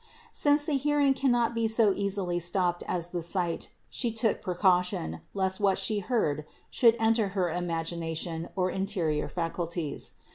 Since the hearing cannot be so easily stopped as the sight, She took precaution, lest what She heard should enter her imagination or interior faculties.